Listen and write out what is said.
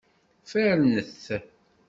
Fernet!